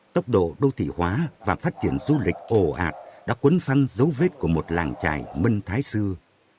tốc độ đô thị hóa và phát triển du lịch ồ ạt đã cuốn phăn dấu vết của một làng trài mân thái xưa